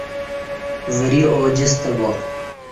وری ا جیں ستہ با